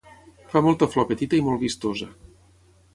Fa molta flor petita i molt vistosa